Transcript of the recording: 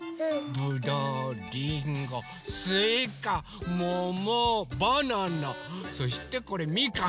ぶどうりんごすいかももバナナそしてこれみかんです。